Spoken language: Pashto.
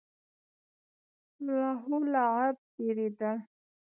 لهو لعب تېرېدل.